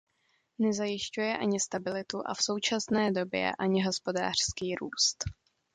Nezajišťuje ani stabilitu, a v současné době ani hospodářský růst.